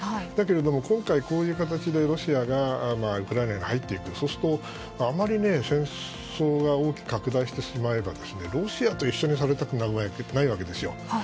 だけど今回こういう形でロシアがウクライナに入っていくそうすると、あまり戦争が大きく拡大してしまえばロシアと一緒にされたくないわけですよ。